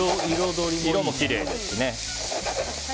色もきれいですしね。